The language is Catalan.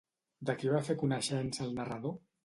De qui va fer coneixença el narrador?